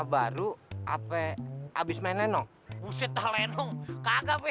youtubers cuma kagak lagi kukacked dengan kulit michael because lo eating large